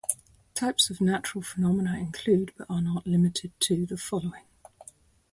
Types of natural phenomena include, but are not limited to, the following.